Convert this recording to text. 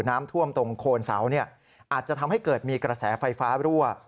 น้ำท่วมตรงโคนเสาอาจจะทำให้เกิดมีกระแสไฟฟ้ารั่ว